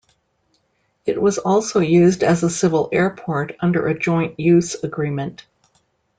It was also used as a civil airport under a joint-use agreement.